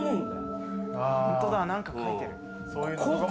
ホントだ何か書いてる。